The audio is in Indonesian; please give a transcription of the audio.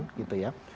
oke belum dirilis ya